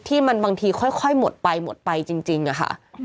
ที่มันบางทีค่อยหมดไปหมดไปจริงค่ะ